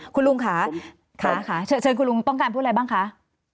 คุณลุงค่ะเชิญคุณลุงต้องการพูดอะไรบ้างคะ